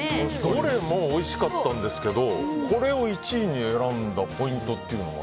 どれもおいしかったんですけどこれを１位に選んだポイントというのは？